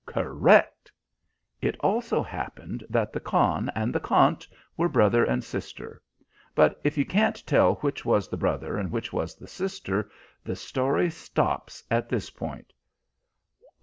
"Correct. It also happened that the Khan and the Khant were brother and sister; but if you can't tell which was the brother and which was the sister, the story stops at this point."